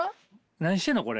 何してんのこれ。